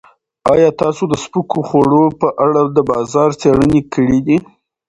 ایا تاسو د سپکو خوړو په اړه د بازار څېړنې کړې دي؟